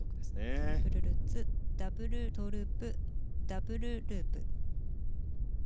トリプルルッツダブルトウループダブルループ。